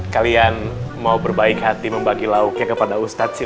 kalian mau berbaik hati membagi lauknya kepada ustadz sih